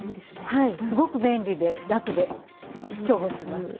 はいすごく便利で楽で重宝します。